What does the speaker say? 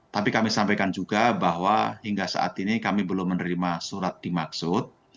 tapi kami sampaikan juga bahwa hingga saat ini kami belum menerima surat dimaksud